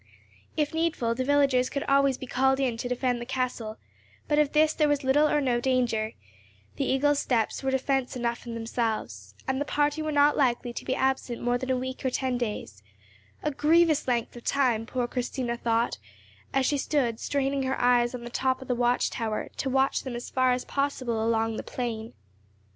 If needful the villagers could always be called in to defend the castle: but of this there was little or no danger—the Eagle's Steps were defence enough in themselves, and the party were not likely to be absent more than a week or ten days—a grievous length of time, poor Christina thought, as she stood straining her eyes on the top of the watch tower, to watch them as far as possible along the plain.